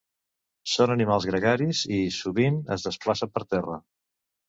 Són animals gregaris i, sovint, es desplacen per terra.